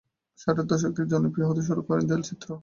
ষাটের দশক থেকে জনপ্রিয় হতে শুরু করে দেয়ালচিত্র।